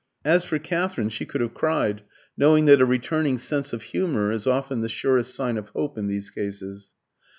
As for Katherine, she could have cried, knowing that a returning sense of humour is often the surest sign of hope in these cases.